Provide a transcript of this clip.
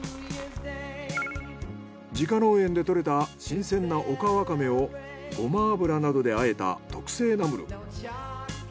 自家農園で採れた新鮮なオカワカメをゴマ油などで和えた特製ナムル。